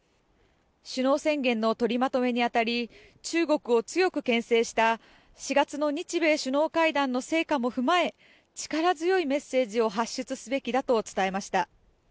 首脳宣言の取りまとめにあたり中国を強くけん制した「４月の日米首脳会談の成果も踏まえ力強いメッセージを発出すべきだ」と伝えました。